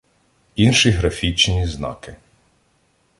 Інші графічні знаки